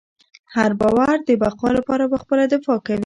هر باور د بقا لپاره پخپله دفاع کوي.